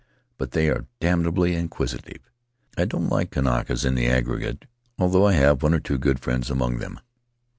But they are damnably inquisitive. I don't like Kanakas in the aggregate, although I have one or two good friends among them."